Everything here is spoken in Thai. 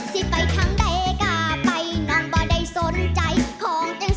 สิไปทางได้กล้าไปน้องบ่ได้สนของพ่อสำนี